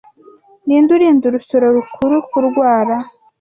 Ninde urinda urusoro rukura kurwara